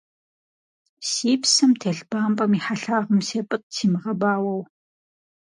Си псэм телъ бампӏэм и хьэлъагъым сепӀытӀ, симыгъэбауэу.